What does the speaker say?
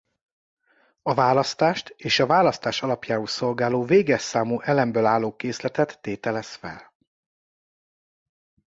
Választást és a választás alapjául szolgáló véges számú elemből álló készletet tételez fel.